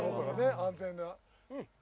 安全な。